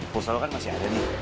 puls lo kan masih ada nih